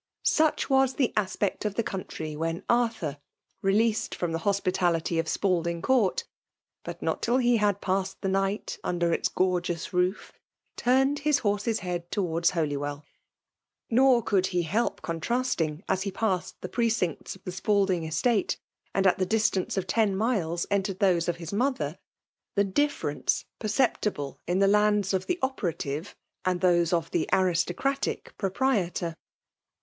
Such was the aspect of the country when 22 FBMAIE DOMINATIOlf* Arthur, leleued from the hospitality ef Spaidmg Court (but not till he had passed the night under its gorgeous roof)^ turned his horae'a head towards Holywell ; nor <x>ald he helpoontraatiBg, as he passed the precineta of the Spalding estate, and at the distainoe of ten miles entered those of his mother, the difference peceeptible in the lands of the ope* ratire* and Ihose of the aristocratic proprietc^.